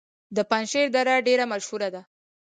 د پنجشیر دره ډیره مشهوره ده